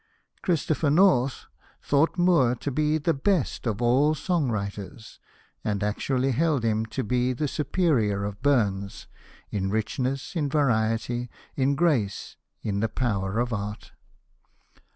" Christopher North " thought Moore to be "the best of all song writers," and actually held him to be the superior of Burns " in richness, in variety, in grace, in the power of art."